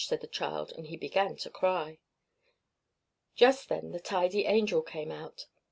said the child; and he began to cry. Just then the Tidy Angel came out.